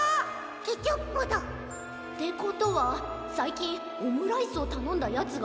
ケチャップだ！ってことはさいきんオムライスをたのんだヤツがあやしいな。